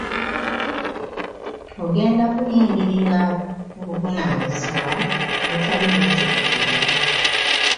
Ogenda kuyingirira obuvunaanyizibwa obutali bwetegekere.